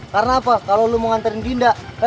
karena apa kalau lo mau nganterin dinda